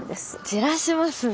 じらしますね。